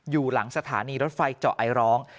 อยู่หลังสถานีรถไฟเจาะไอร้อง